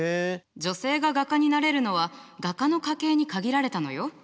女性が画家になれるのは画家の家系に限られたのよ。